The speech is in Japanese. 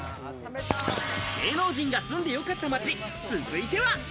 芸能人が住んでよかった街、続いては。